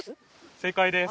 正解です。